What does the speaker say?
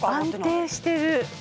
安定してる！